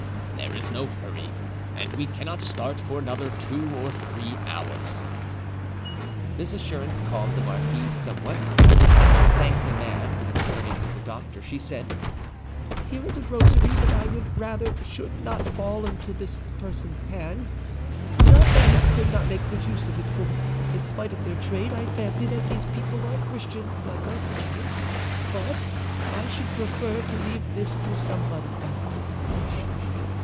"There is no hurry, and we cannot start for another two of three hours." This assurance calmed the marquise somewhat, and she thanked the man. Then turning to the doctor, she said, "Here is a rosary that I would rather should not fall into this person's hands. Not that he could not make good use of it; for, in spite of their trade, I fancy that these people are Christians like ourselves. But I should prefer to leave this to somebody else."